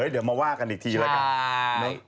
เดี๋ยวมาว่ากันอีกทีแล้วกัน